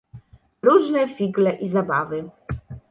"Różne figle i zabawy."